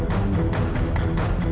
lepasin pak randy